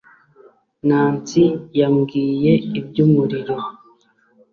nancy yambwiye iby'umuriro